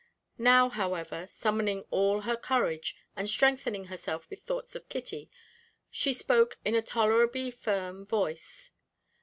Now, however, summoning all her courage, and strengthening herself with thoughts of Kitty, she spoke in a tolerably firm voice.